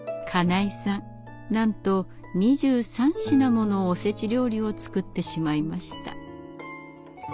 なんと２３品ものおせち料理を作ってしまいました。